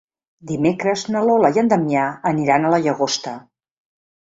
Dimecres na Lola i en Damià aniran a la Llagosta.